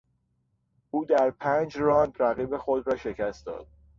او در پنج راند رقیب خود را شکست داد.